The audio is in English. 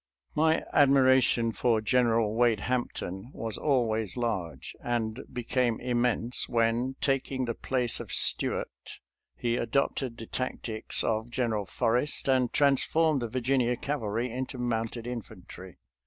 My admiration for General Wade Hampton was always large, and became immense when, taking the place of Stuart, he adopted the tac tics of General Forrest and transformed the Virginia cavalry into mounted infantry.